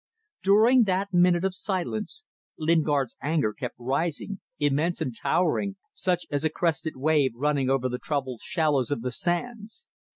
During that minute of silence Lingard's anger kept rising, immense and towering, such as a crested wave running over the troubled shallows of the sands.